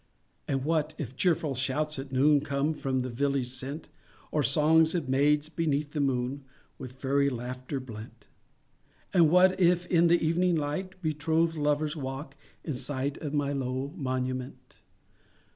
And what, if cheerful shouts at noon, Come, from the village sent, Or songs of maids, beneath the moon, With fairy laughter blent? And what if, in the evening light, Betrothed lovers walk in sight Of my low monument?